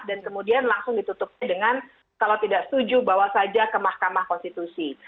dan kemudian langsung ditutupi dengan kalau tidak setuju bawa saja ke mahkamah konstitusi